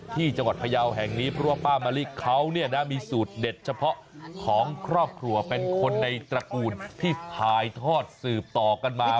ที่จังหวัดพยาวแห่งนี้เพราะว่าป้ามะลิเขาเนี่ยนะมีสูตรเด็ดเฉพาะของครอบครัวเป็นคนในตระกูลที่ถ่ายทอดสืบต่อกันมา